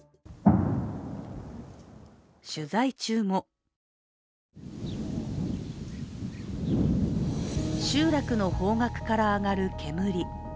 取材中も集落の方角から上がる煙。